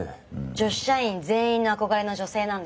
女子社員全員の憧れの女性なんです。